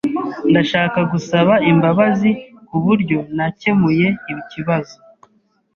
Ndashaka gusaba imbabazi kuburyo nakemuye ikibazo.